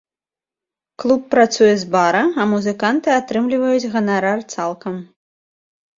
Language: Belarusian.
Клуб працуе з бара, а музыканты атрымліваюць ганарар цалкам.